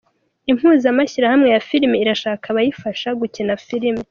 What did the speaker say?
Impuza mashyirahamwe ya filime irashaka abayifasha gukina filimi